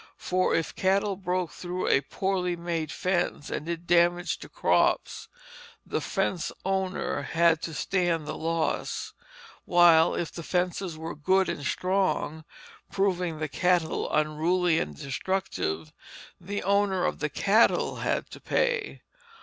For if cattle broke through a poorly made fence, and did damage to crops, the fence owner had to stand the loss, while if the fences were good and strong, proving the cattle unruly and destructive, the owner of the cattle had to pay.